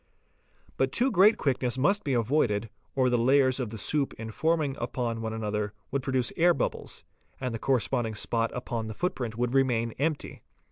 But too great quickness must be avoided, or the layers of the soup in forming upon one another would | produce air bubbles, and the corresponding spot upon the footprint would remain empty.